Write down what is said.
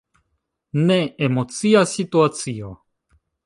Ne, emocia situacio!